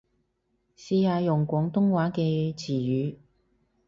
試下用廣東話嘅詞語